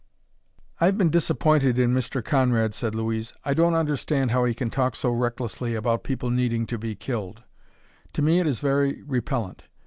"I've been disappointed in Mr. Conrad," said Louise; "I don't understand how he can talk so recklessly about people needing to be killed. To me it is very repellent.